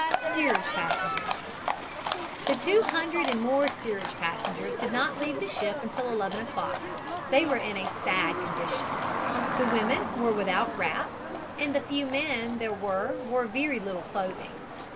STEERAGE PASSENGERS The two hundred and more steerage passengers did not leave the ship until 11 o'clock. They were in a sad condition. The women were without wraps and the few men there were wore very little clothing.